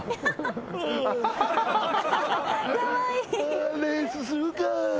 あレースするか。